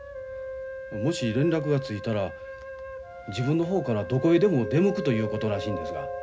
もし連絡がついたら自分の方からどこへでも出向くということらしいんですが。